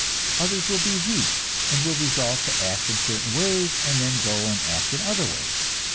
Others will be weak, and will resolve to act in certain ways, and then go and act in other ways.